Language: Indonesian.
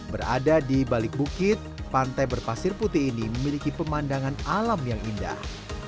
berada di balik bukit pantai berpasir putih ini memiliki pemandangan alam yang indah